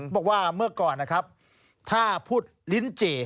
บอกว่าเมื่อก่อนนะครับถ้าพูดลิ้นจี่